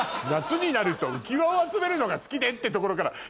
夏になると浮輪を集めるのが好きでってところから。